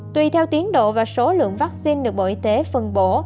tùy theo tiến độ và số lượng vắc xin được bộ y tế phân bổ